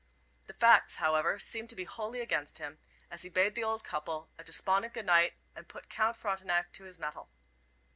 The facts, however, seemed to be wholly against him, as he bade the old couple a despondent good night and put Count Frontenac to his mettle.